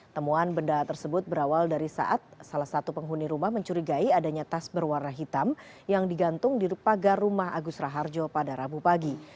temuan benda tersebut berawal dari saat salah satu penghuni rumah mencurigai adanya tas berwarna hitam yang digantung di pagar rumah agus raharjo pada rabu pagi